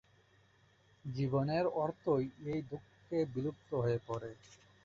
জীবনের অর্থই এই দুঃখে বিলুপ্ত হয়ে পড়ে।